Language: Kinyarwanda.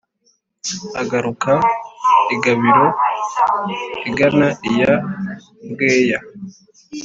Igaruka i Gabiro igana iya Bweya.